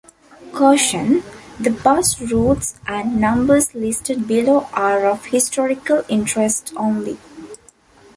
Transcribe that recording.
Caution: The bus routes and numbers listed below are of historical interest only.